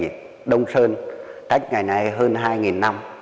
thì trống đồng đông sơn tách ngày nay hơn hai năm